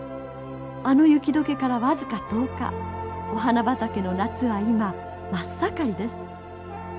あの雪解けから僅か１０日お花畑の夏は今真っ盛りです。